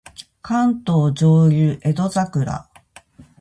関東上流江戸桜